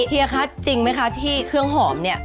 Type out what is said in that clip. เฮียคะจริงไหมคะที่เครื่องหอมเนี่ย